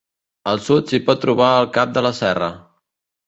Al sud s'hi pot trobar el Cap de la Serra.